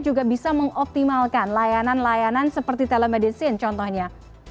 juga bisa mengoptimalkan layanan layanan seperti telemedicine contohnya